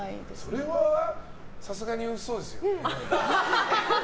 それはさすがに嘘ですよ。